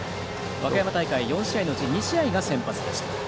和歌山大会４試合のうち２試合が先発でした。